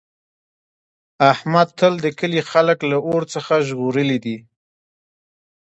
احمد تل د کلي خلک له اور څخه ژغورلي دي.